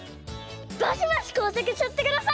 バシバシこうさくしちゃってください！